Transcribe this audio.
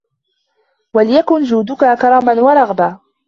وَلْيَكُنْ جُودُك كَرْمًا وَرَغْبَةً